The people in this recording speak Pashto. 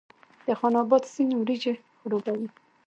د خان اباد سیند وریجې خړوبوي